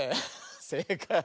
せいかい！